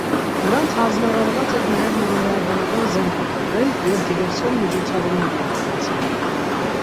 Նրանց հանձնարարաված էր նաև մանրէաբանական զենք արտադրել և դիվերսիոն միջոցառումներ իրականացնել։